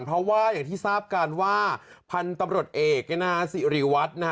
เพราะว่าอย่างที่ทราบการว่าพันธุ์ตำรสเอกนี่น่ะสิริวัตรน่ะ